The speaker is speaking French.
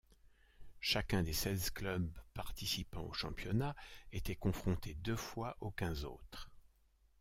Chacun des seize clubs participant au championnat était confronté deux fois aux quinze autres.